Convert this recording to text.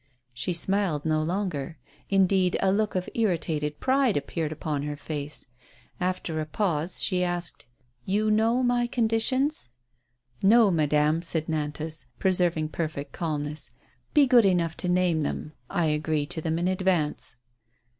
She smiled no longer; indeed, a look of irritated pride appeared upon her face. After a pause she asked. " You know my conditions ?"" No, madame," said Nantas, preserving perfect calm ness. "Be good enough to name them. I agree to them in advance."